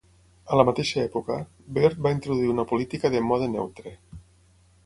A la mateixa època, Beard va introduir una política de "mode neutre".